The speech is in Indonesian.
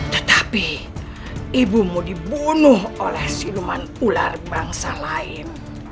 tetapi ibumu dibunuh oleh siluman ular bangsa lain